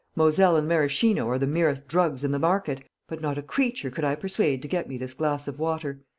Moselle and Maraschino are the merest drugs in the market; but not a creature could I persuade to get me this glass of water.